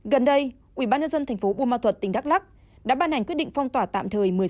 gần đây ubnd tp buôn ma thuật tỉnh đắk lắc đã ban hành quyết định phong tỏa tạm thời